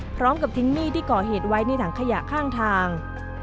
พร้อมกับทิ้งมีดที่ก่อเหตุไว้ในถังขยะข้างทาง